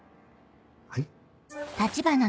はい？